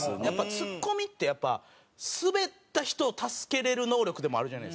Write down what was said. ツッコミってやっぱスベった人を助けられる能力でもあるじゃないですか。